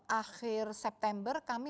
akhir september kami